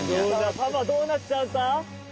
パパどうなっちゃった？